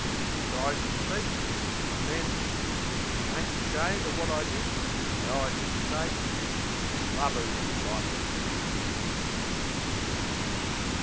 I tries to speak; An' then I ain't ashamed o' wot I did I 'ides me face...an' blubbers like a kid.